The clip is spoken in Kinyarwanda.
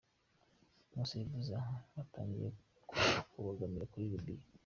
Umusifuzi aha, atangiye kubogamira kuri Libya.